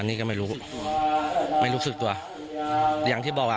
นี่ก็ไม่รู้ไม่รู้สึกตัวอย่างที่บอกอ่ะ